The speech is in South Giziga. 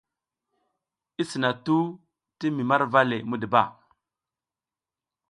I sina tuh ti mi marva le muduba.